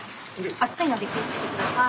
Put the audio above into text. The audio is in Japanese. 熱いので気をつけて下さい。